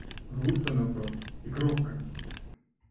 Глупства наўпрост, і кропка!